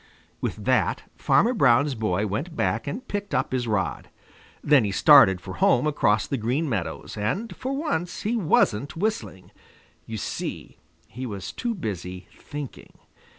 With that, Farmer Brown's boy went back and picked up his rod. Then he started for home across the Green Meadows, and for once he wasn't whistling. You see, he was too busy thinking.